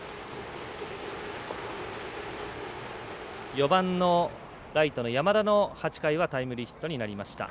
４番のライトの山田の８回はタイムリーヒットになりました。